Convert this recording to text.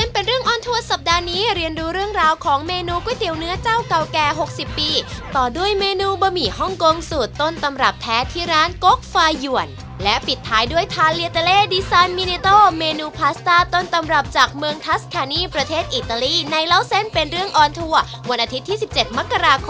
เป็นเรื่องออนทัวร์สัปดาห์นี้เรียนดูเรื่องราวของเมนูก๋วยเตี๋ยวเนื้อเจ้าเก่าแก่๖๐ปีต่อด้วยเมนูบะหมี่ฮ่องกงสูตรต้นตำรับแท้ที่ร้านกกฟายวนและปิดท้ายด้วยทานเลียเตอเล่ดีไซน์มิเนโต้เมนูพาสต้าต้นตำรับจากเมืองทัสคานี่ประเทศอิตาลีในเล่าเส้นเป็นเรื่องออนทัวร์วันอาทิตย์ที่๑๗มกราคม